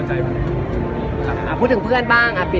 ใช่ครับ